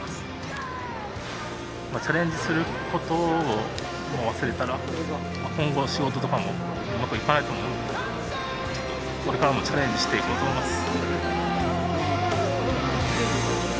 チャレンジすることを忘れたら今後の仕事とかもうまくいかないと思うのでこれからもチャレンジしていこうと思います。